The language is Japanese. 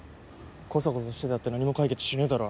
コソコソしてたって何も解決しねえだろ。